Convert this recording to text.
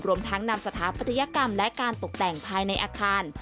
รวมทั้งนำสถาปัตยกรรมและการตกแต่งภายในอาคาร